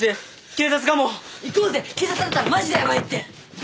警察だったらマジでやばいって！